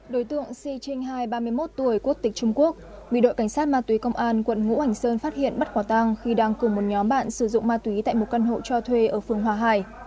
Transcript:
đối tượng si trinh hai ba mươi một tuổi quốc tịch trung quốc bị đội cảnh sát ma túy công an quận ngũ hành sơn phát hiện bắt quả tang khi đang cùng một nhóm bạn sử dụng ma túy tại một căn hộ cho thuê ở phương hòa hải